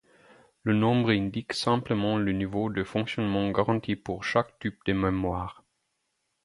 Le nombre indique simplement le niveau de fonctionnement garanti pour chaque type de mémoire.